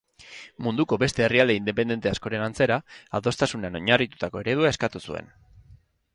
Munduko beste herrialde independente askoren antzera, adostasunean oinarritutako eredua eskatu zuen.